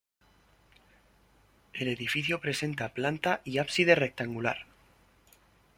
El edificio presenta planta y ábside rectangular.